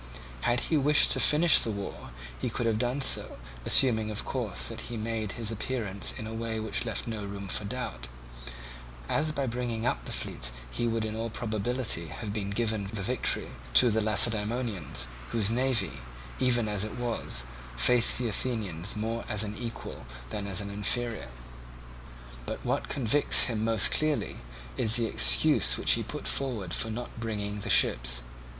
Had he wished to finish the war, he could have done so, assuming of course that he made his appearance in a way which left no room for doubt; as by bringing up the fleet he would in all probability have given the victory to the Lacedaemonians, whose navy, even as it was, faced the Athenian more as an equal than as an inferior. But what convicts him most clearly, is the excuse which he put forward for not bringing the ships.